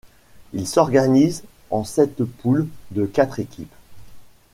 Il s'organise en sept poules de quatre équipes.